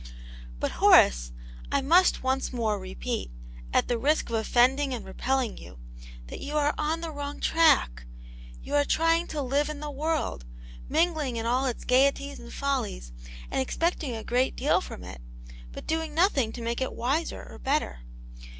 ^ But, Horace, I must once more repeat, at the risk of offending and repelling you, that you are on the wrong track. You are trying to live in the world, mingling in all its gaieties and follies, and expecting a great deal from it, but doing nothing to make it wiser or better.